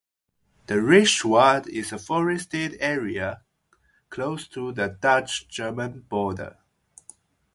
The Reichswald is a forested area close to the Dutch-German border.